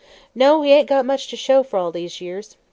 "No; he ain't got much t' show fer all these years.